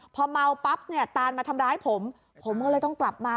พอเมาปั๊บเนี่ยตานมาทำร้ายผมผมก็เลยต้องกลับมา